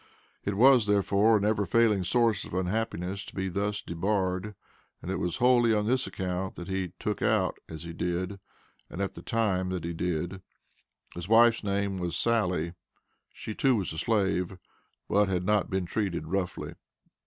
It was, therefore, a never failing source of unhappiness to be thus debarred, and it was wholly on this account that he "took out," as he did, and at the time that he did. His wife's name was "Sally." She too was a slave, but "had not been treated roughly."